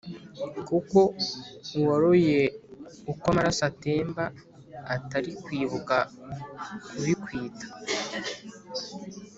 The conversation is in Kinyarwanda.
Kuko uwaroye uko amaraso atemba Atari kwibuka kubikwita